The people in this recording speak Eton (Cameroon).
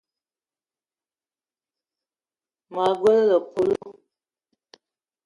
Ma gbele épölo